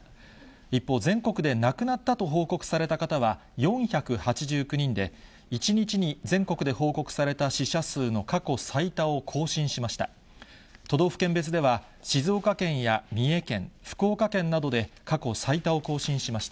一方、全国で亡くなったと報告された方は４８９人で、１日に全国で報告された死者数の過去最多を更新しました。